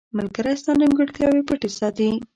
• ملګری ستا نیمګړتیاوې پټې ساتي.